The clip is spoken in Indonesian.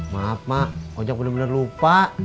maaf pak ucap bener bener lupa